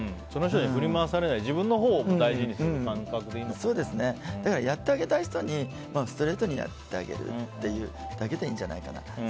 その人に振り回されない自分のほうを大事にするやってあげたい人にストレートにやってあげるだけでいいんじゃないかなと。